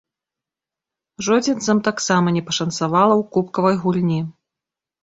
Жодзінцам таксама не пашанцавала ў кубкавай гульні.